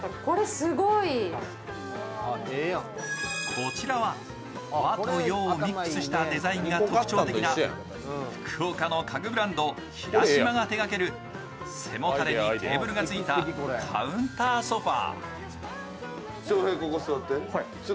こちらは和と洋をミックスしたデザインが特徴的な福岡の家具ブランド、ＨＩＲＡＳＨＩＭＡが手がける背もたれにテーブルがついたカウンターソファ。